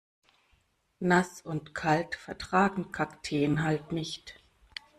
Nass und kalt vertragen Kakteen halt nicht.